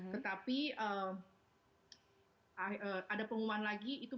tetapi ada pengumuman lagi itu bakal ditutup